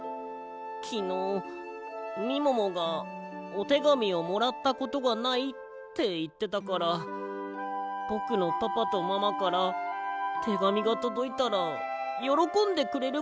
きのうみももが「おてがみをもらったことがない」っていってたからぼくのパパとママからてがみがとどいたらよろこんでくれるかなっておもって